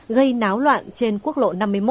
gây náo loạn trên quốc lộ năm mươi một